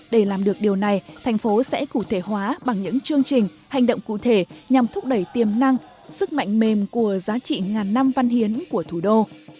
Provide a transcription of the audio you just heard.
để làm được điều này thành phố sẽ cụ thể hóa bằng những chương trình hành động cụ thể nhằm thúc đẩy tiềm năng sức mạnh mềm của giá trị ngàn năm văn hiến của thủ đô